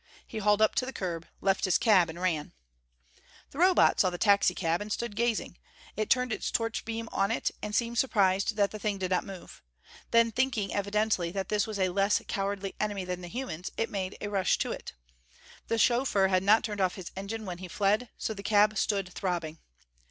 He hauled up to the curb, left his cab and ran. The Robot saw the taxicab, and stood gazing. It turned its torch beam on it, and seemed surprised that the thing did not move. Then thinking evidently that this was a less cowardly enemy than the humans, it made a rush to it. The chauffeur had not turned off his engine when he fled, so the cab stood throbbing.